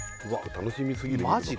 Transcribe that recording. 楽しみすぎるマジ